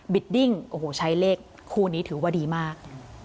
บิดดิ้งใช้เลขคู่นี้ถือว่าดีมาก